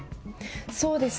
そうですね。